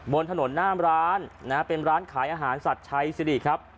บนถนนหน้ามร้านนะฮะเป็นร้านขายอาหารสัตว์ชัยสิริครับ